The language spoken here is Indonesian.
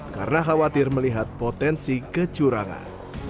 karena khawatir melihat potensi kecurangan